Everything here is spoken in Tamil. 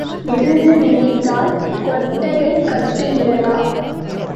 எருது நினைத்தால் கொட்டகை கட்டுகிறதா?